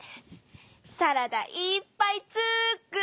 サラダいっぱい作ろ！